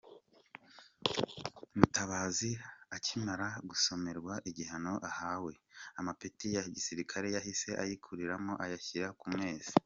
Lt Mutabazi akimara gusomerwa igihano ahawe, amapeti ya gisirikare yahise ayikuriramo ayashyira ku meza.